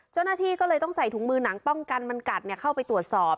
เจ้าหน้าที่ก็เลยต้องใส่ถุงมือหนังป้องกันมันกัดเข้าไปตรวจสอบ